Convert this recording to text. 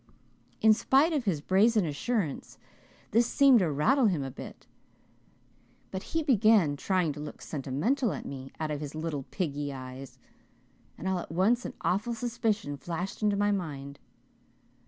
In spite of his brazen assurance this seemed to rattle him a little; but he began trying to look sentimental at me out of his little piggy eyes, and all at once an awful suspicion flashed into my mind.